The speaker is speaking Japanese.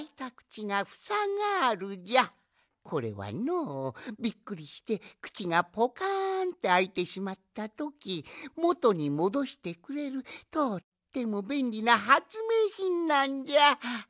これはのびっくりしてくちがポカンってあいてしまったときもとにもどしてくれるとってもべんりなはつめいひんなんじゃ！